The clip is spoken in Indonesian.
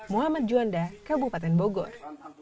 muhammad juanda kabupaten bogor